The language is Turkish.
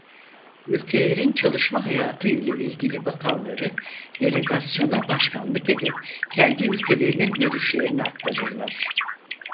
Ülkelerin çalışma hayatı ile ilgili bakanları delegasyona başkanlık edip kendi ülkelerinin görüşlerini aktarırlar.